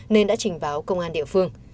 nên đã trình báo công an địa phương